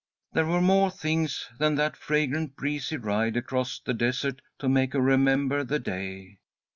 There were more things than that fragrant, breezy ride across the desert to make her remember the day.